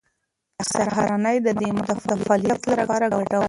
سهارنۍ د دماغ د فعالیت لپاره ګټوره ده.